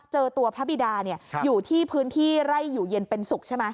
เจอตัวพระบิดาอยู่ที่พื้นที่ไร่อยู่เย็นเป็นสุขใช่ไหม